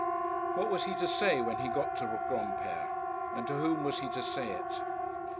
What was he to say when he got to Granpere, and to whom was he to say it?